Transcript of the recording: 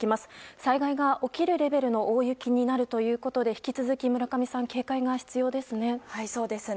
災害が起きるレベルの大雪になるということで引き続き、村上さん警戒が必要ですね。